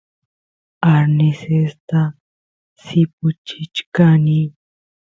arnesesta sipuchichkani